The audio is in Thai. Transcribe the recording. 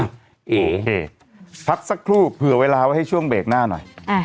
เอพักสักครู่เผื่อเวลาไว้ให้ช่วงเบรกหน้าหน่อย